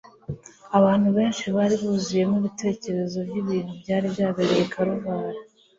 Abantu benshi bari buzuyemo ibitekerezo by'ibintu byari byabereye i Kaluvari.